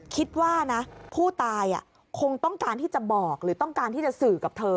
คิดว่านะผู้ตายคงต้องการที่จะบอกหรือต้องการที่จะสื่อกับเธอ